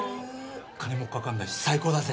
金もかからないし最高だぜ！